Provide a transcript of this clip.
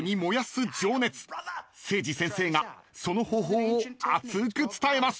［セイジ先生がその方法を熱く伝えます］